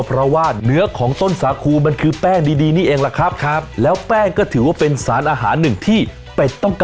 เรื่องของผมต่อไปนี้คือเรื่อง